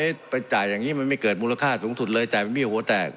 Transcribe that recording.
ไปจ่ายอย่างนี้มันไม่เกิดมูลค่าสูงสุดเลยจ่ายเป็นเบี้ยหัวแตก